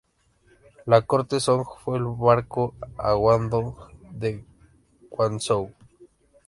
La corte Song fue en barco a Guangdong de Quanzhou.